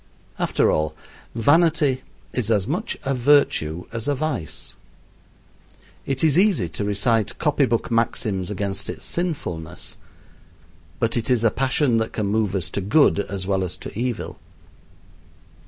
After all, vanity is as much a virtue as a vice. It is easy to recite copy book maxims against its sinfulness, but it is a passion that can move us to good as well as to evil.